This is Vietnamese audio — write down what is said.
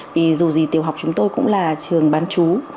vì dù gì tiểu học chúng tôi cũng là trường bán chú